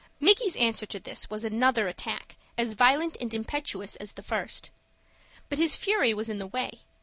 Micky's answer to this was another attack, as violent and impetuous as the first. But his fury was in the way.